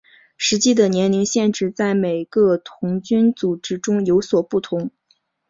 实际的年龄限制在每个童军组织中有所不同。